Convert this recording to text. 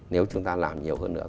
nếu chúng ta làm nhiều hơn nữa